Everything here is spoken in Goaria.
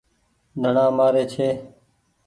ڌڻآ مآري ڇي۔